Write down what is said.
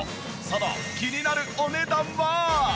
その気になるお値段は？